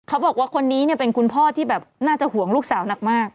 เขาบอกว่าคนนี้เนี่ยเป็นคุณพ่อที่แบบน่าจะห่วงลูกสาวนักมาก